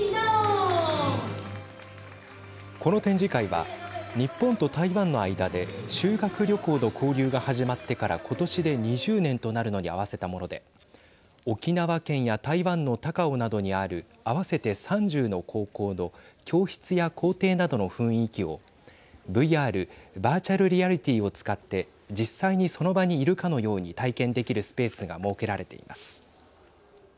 この展示会は日本と台湾の間で修学旅行の交流が始まってから今年で２０年となるのに合わせたもので沖縄県や台湾の高雄などにある合わせて３０の高校の教室や校庭などの雰囲気をＶＲ＝バーチャルリアリティーを使って実際にその場にいるかのように体験できるスペースが設けられています。